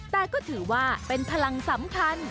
แต่ก็ถือว่าเป็นพลังสำคัญ